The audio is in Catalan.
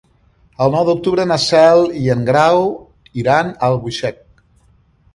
El nou d'octubre na Cel i en Grau iran a Albuixec.